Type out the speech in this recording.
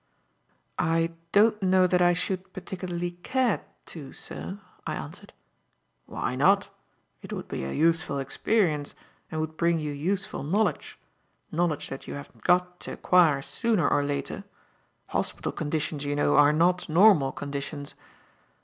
"I don't know that I should particularly care to, sir," I answered. "Why not? It would be a useful experience and would bring you useful knowledge; knowledge that you have got to acquire sooner or later. Hospital conditions, you know, are not normal conditions.